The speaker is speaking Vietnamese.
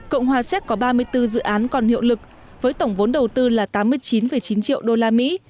cộng hòa séc có ba mươi bốn dự án còn hiệu lực với tổng vốn đầu tư là tám mươi chín chín triệu usd